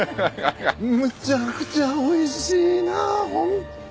むちゃくちゃおいしいなホンットに。